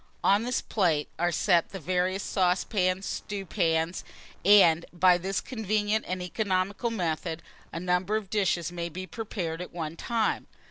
On this plate are set the various saucepans, stewpans, &c. and, by this convenient and economical method, a number of dishes may be prepared at one time.